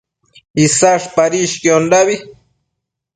Isash padishquiondabi